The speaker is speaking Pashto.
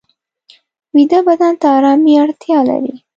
ویده بدن ته آرامي اړتیا لري